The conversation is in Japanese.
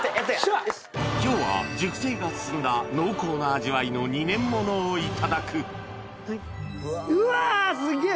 今日は熟成が進んだ濃厚な味わいの２年ものをいただくうわすげぇ！